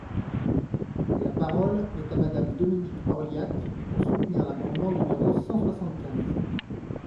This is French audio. La parole est à Madame Dominique Orliac, pour soutenir l’amendement numéro cent soixante-quinze.